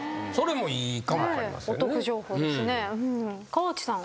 河内さん。